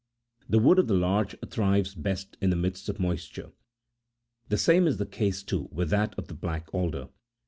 The wood of the larch thrives best in the midst of moisture ; the same is the case, too, with that of the black alder.